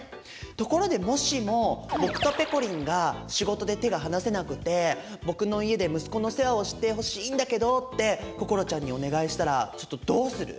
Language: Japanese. ところでもしも僕とぺこりんが仕事で手が離せなくて僕の家で「息子の世話をしてほしいんだけど」って心ちゃんにお願いしたらちょっとどうする？